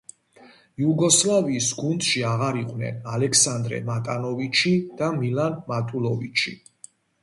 იუგოსლავიის გუნდში აღარ იყვნენ ალექსანდრე მატანოვიჩი და მილან მატულოვიჩი.